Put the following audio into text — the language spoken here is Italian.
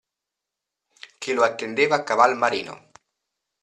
Che lo attendeva a Caval Marino.